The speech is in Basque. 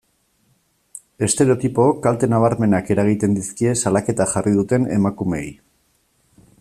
Estereotipook kalte nabarmenak eragiten dizkie salaketa jarri duten emakumeei.